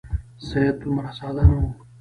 سید دومره ساده نه وو.